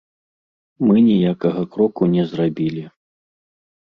Мы ніякага кроку не зрабілі.